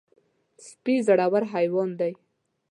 سپي زړور حیوان دی.